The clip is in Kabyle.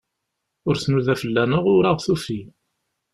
Ur tnuda fell-aneɣ, ur aɣ-tufi.